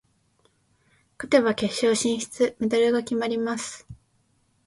勝てば決勝進出、メダルが決まります。